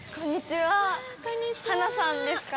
はなさんですか？